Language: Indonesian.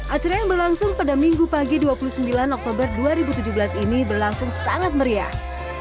acara yang berlangsung pada minggu pagi dua puluh sembilan oktober dua ribu tujuh belas ini berlangsung sangat meriah